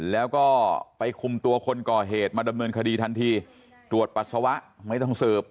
แล้วก็ไปคุมตัวคนก่อเหตุมาดำเนินคดีทันทีตรวจปัสสาวะไม่ต้องสืบ